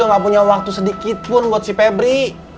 gak punya waktu sedikit pun buat si pebri